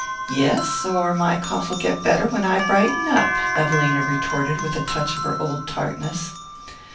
"Yes or my cough'll get better when I brighten up," Evelina retorted with a touch of her old tartness.